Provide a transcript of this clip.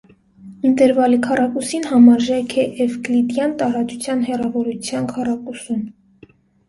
Ինտերվալի քառակուսին համարժեք է էվկլիդյան տարածության հեռավորության քառակուսուն։